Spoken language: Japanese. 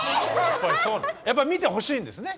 やっぱ見てほしいんですね